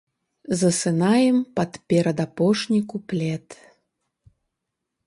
Засынаем пад перадапошні куплет.